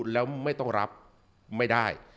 แล้วไม่ต้องรับไม่ได้